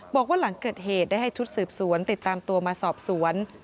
บอกว่าหลังเกิดเหตุได้ให้ชุดสืบสวนติดตามตัวมาสอบสวน